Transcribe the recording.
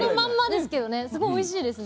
すごいおいしいですね。